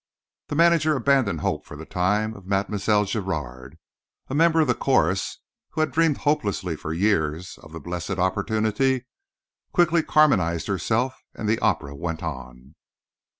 The manager abandoned hope for the time of Mlle. Giraud. A member of the chorus, who had dreamed hopelessly for years of the blessed opportunity, quickly Carmenized herself and the opera went on.